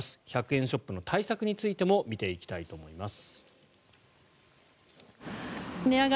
１００円ショップの対策についても見ていきたいと思います。